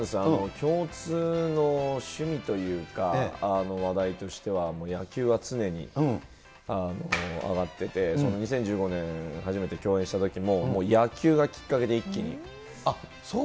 共通の趣味というか、話題としては、野球は常に挙がってて、２０１５年に初めて共演したときも、そうなんだ。